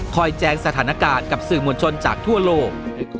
แจงสถานการณ์กับสื่อมวลชนจากทั่วโลก